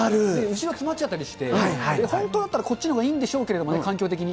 後ろつまっちゃったりして、本当だったらこっちのほうがいいんでしょうけど、環境的に。